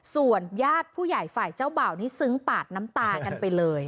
ส่วนญาติผู้ใหญ่ฝ่ายเจ้าบ่าวนี้ซึ้งปาดน้ำตากันไปเลย